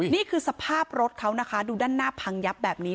นี่คือสภาพรถเขานะคะดูด้านหน้าพังยับแบบนี้